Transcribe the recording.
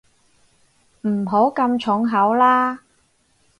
唔好咁重口啦